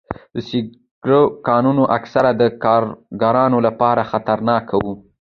د سکرو کانونه اکثراً د کارګرانو لپاره خطرناک وي.